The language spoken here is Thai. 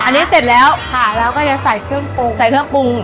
อันนี้เสร็จแล้วค่ะเราก็จะใส่เครื่องปรุงใส่เครื่องปรุง